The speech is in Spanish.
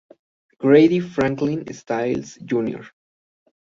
Grady Franklin Stiles Jr.